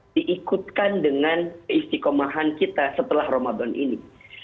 diikutkan dengan keistikomahan kita setelah ramadan ini